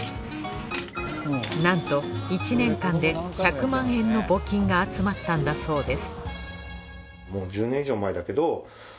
なんと１年間で１００万円の募金が集まったんだそうです